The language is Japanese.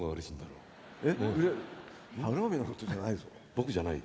僕じゃない？